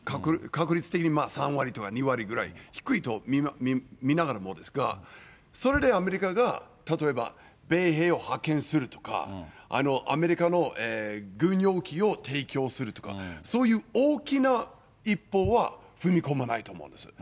確率的に３割とか２割ぐらい、低いと見ながらもですが、それでアメリカが例えば、米兵を派遣するとか、アメリカの軍用機を提供するとか、そういう大きな一歩は踏み込まないと思うんですよ。